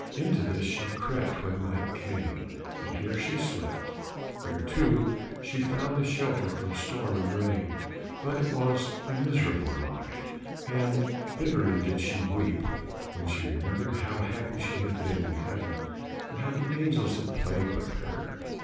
Into this she crept when night came, and here she slept. Here, too, she found a shelter from storm and rain, but it was a miserable life, and bitterly did she weep when she remembered how happy she had been in heaven, and how the angels had played with her.